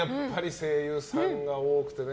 声優さんが多くてね。